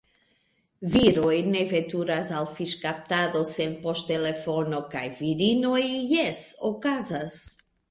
Viroj ne veturas al fiŝkaptado sen poŝtelefono, kaj virinoj – jes, okazas!